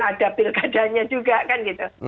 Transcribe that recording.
ada pilkadanya juga kan gitu